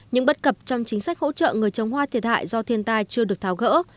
những bất cập trong chính sách hỗ trợ người trồng hoa thiệt hại do thiên tai chưa được tháo gỡ